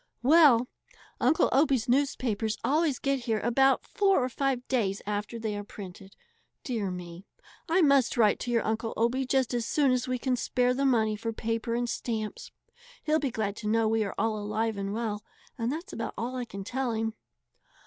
"Well, Uncle Obie's newspapers always get here about four or five days after they are printed. Dear me! I must write to your Uncle Obie just as soon as we can spare the money for paper and stamps. He'll be glad to know we are all alive and well, and that's about all I can tell him."